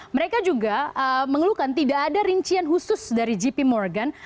mereka juga mengeluhkan tidak ada rincian khusus dari gp morgan